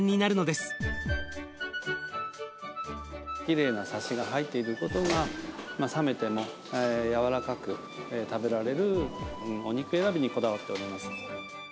きれいなサシが入っていることが冷めても軟らかく食べられるお肉選びにこだわっております。